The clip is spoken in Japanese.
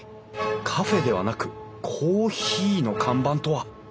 カフェではなくコーヒーの看板とは。